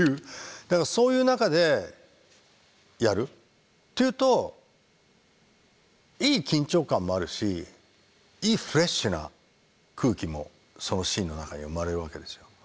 だからそういう中でやるというといい緊張感もあるしいいフレッシュな空気もそのシーンの中には生まれるわけですよ。